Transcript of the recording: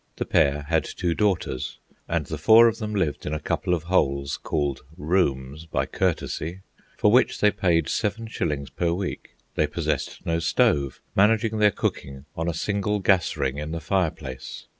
The pair had two daughters, and the four of them lived in a couple of holes, called "rooms" by courtesy, for which they paid seven shillings per week. They possessed no stove, managing their cooking on a single gas ring in the fireplace.